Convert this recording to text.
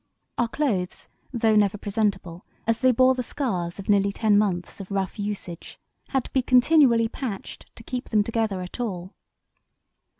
Our clothes, though never presentable, as they bore the scars of nearly ten months of rough usage, had to be continually patched to keep them together at all."